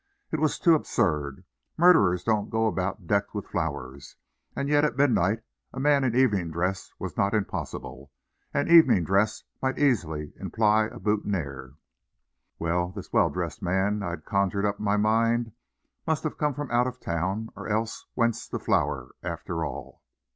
It was too absurd. Murderers don't go about decked with flowers, and yet at midnight a man in evening dress was not impossible, and evening dress might easily imply a boutonniere. Well, this well dressed man I had conjured up in my mind must have come from out of town, or else whence the flower, after all?